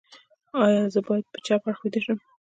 ایا زه باید په چپ اړخ ویده شم؟